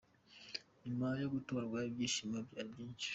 Nyuma yo gutorwa ibyishimo byari byinshi.